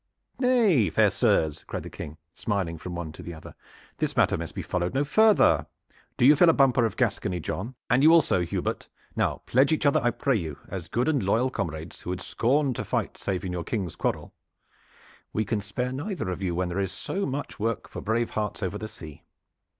"Nay, fair sirs," cried the King, smiling from one to the other, "this matter must be followed no further. Do you fill a bumper of Gascony, John, and you also, Hubert. Now pledge each other, I pray you, as good and loyal comrades who would scorn to fight save in your King's quarrel. We can spare neither of you while there is so much work for brave hearts over the sea.